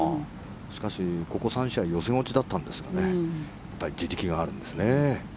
しかし、ここ３試合予選落ちだったんですけど地力があるんですね。